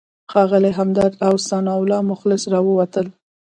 ښاغلی همدرد او ثناالله مخلص راووتل.